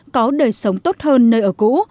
có đời sống tốt hơn nơi ở cũ